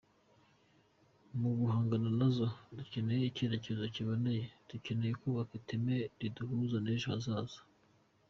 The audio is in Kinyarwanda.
"Mu guhangana nazo, ducyeneye icyerekezo kiboneye: ducyeneye kubaka iteme riduhuza n'ejo hazaza".